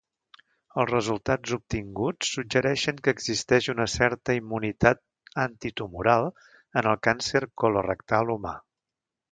Els resultats obtinguts suggereixen que existeix una certa immunitat antitumoral en el càncer colorectal humà.